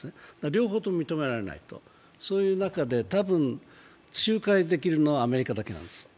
両方とも認められないという中で多分、仲介できるのはアメリカだけなんです。